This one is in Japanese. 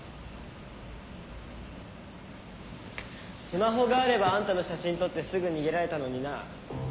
スマホがあればあんたの写真撮ってすぐ逃げられたのにな。